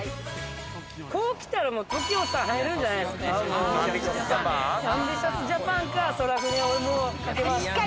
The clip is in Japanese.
こう来たらもうＴＯＫＩＯさん入るじゃないですか？